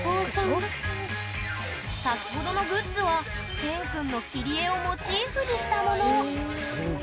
先ほどのグッズはＫＥＮくんの切り絵をモチーフにしたもの。